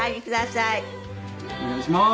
お願いします。